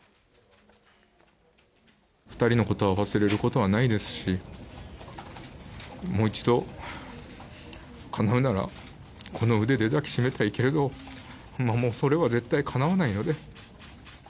２人のことは忘れることはないですし、もう一度、かなうなら、この腕で抱きしめたいけれど、もうそれは絶対かなわないので。